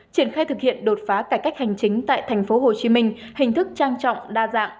triển khai thực hiện đột phá cải cách hành chính tại tp hcm hình thức trang trọng đa dạng